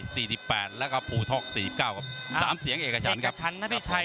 สี่สิบเก้าสามเสียงเอกกระชันเอกกระชันน่ะไม่ใช่